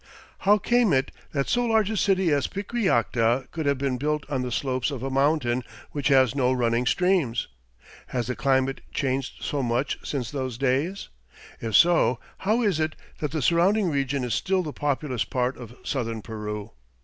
How came it that so large a city as Piquillacta could have been built on the slopes of a mountain which has no running streams? Has the climate changed so much since those days? If so, how is it that the surrounding region is still the populous part of southern Peru?